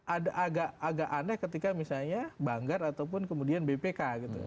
ada agak aneh ketika misalnya banggar ataupun kemudian bpk gitu